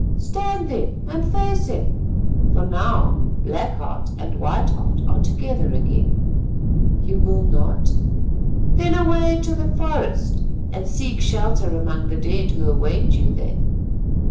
Stand then and face him, for now Black Heart and White Heart are together again. You will not? Then away to the forest and seek shelter among the dead who await you there.